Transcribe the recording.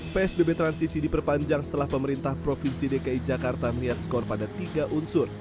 psbb transisi diperpanjang setelah pemerintah provinsi dki jakarta melihat skor pada tiga unsur